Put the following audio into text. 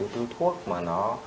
thứ thuốc mà nó